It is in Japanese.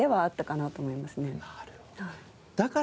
なるほど。